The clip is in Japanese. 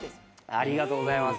ありがとうございます。